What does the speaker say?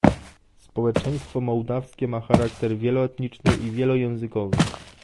Społeczeństwo mołdawskie ma charakter wieloetniczny i wielojęzykowy